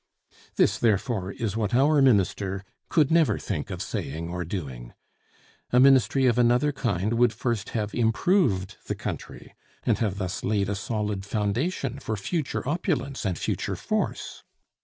This, therefore, is what our minister could never think of saying or doing. A ministry of another kind would first have improved the country, and have thus laid a solid foundation for future opulence and future force.